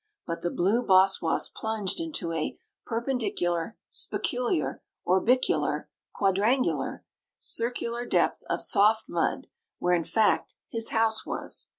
But the blue boss woss plunged into a perpendicular, spicular, orbicular, quadrangular, circular depth of soft mud; where, in fact, his house was.